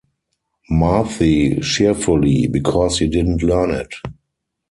Marthe, cheerfully. — Because he didn’t learn it.